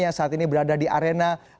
yang saat ini berada di arena